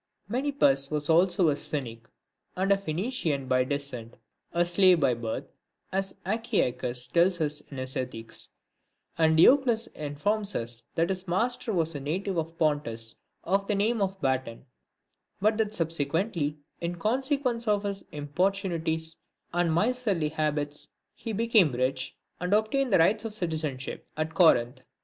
MENIPPUS was also a Cynic, and a Phoenician by descent, a slave by birth, as Achaicus tells us in his Ethics; and Diocles informs us that his master was a native of Pontus, of the name of Baton ; but that subsequently, in consequence of his importunities and miserly habits, he became rich, and obtained the rights of citizenship at Corinth.